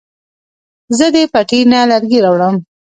زه د پټي نه لرګي راوړم